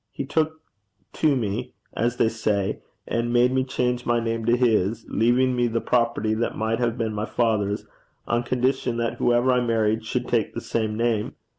He took to me, as they say, and made me change my name to his, leaving me the property that might have been my father's, on condition that whoever I married should take the same name.